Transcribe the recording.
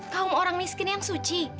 kaum orang miskin yang suci